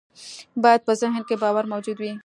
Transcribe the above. بايد په ذهن کې باور موجود وي.